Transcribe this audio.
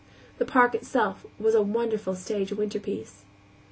The Park itself was a wonderful stage winterpiece.